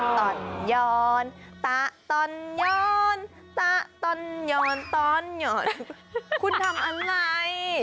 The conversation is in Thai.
ตอนยอห์นตะตอนยอห์นตะตอนเยาว์นตอนเยาว์นคุณทำอะไร